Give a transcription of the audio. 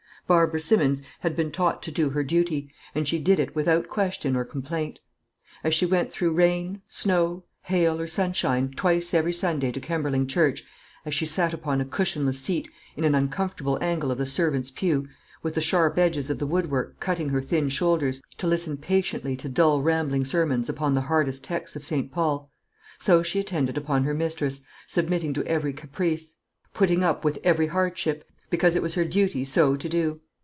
Barbara Simmons had been taught to do her duty, and she did it without question or complaint. As she went through rain, snow, hail, or sunshine twice every Sunday to Kemberling church, as she sat upon a cushionless seat in an uncomfortable angle of the servants' pew, with the sharp edges of the woodwork cutting her thin shoulders, to listen patiently to dull rambling sermons upon the hardest texts of St. Paul, so she attended upon her mistress, submitting to every caprice, putting up with every hardship; because it was her duty so to do.